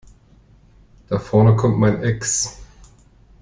Da vorne kommt mein Ex.